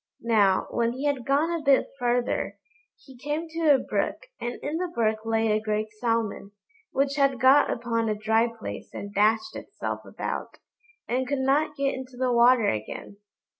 Now, when he had gone a bit further, he came to a brook, and in the brook lay a great Salmon, which had got upon a dry place and dashed itself about, and could not get into the water again.